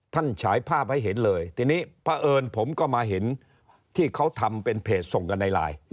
ฉายภาพให้เห็นเลยทีนี้เพราะเอิญผมก็มาเห็นที่เขาทำเป็นเพจส่งกันในไลน์